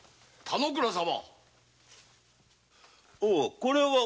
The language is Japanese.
田之倉様。